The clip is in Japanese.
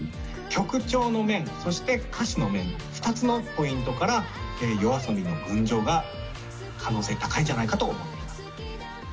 曲調の面、そして歌詞の面、２つのポイントから、ＹＯＡＳＯＢＩの群青が可能性高いんじゃないかと思います。